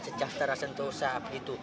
sejahtera sentosa begitu